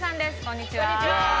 こんにちは。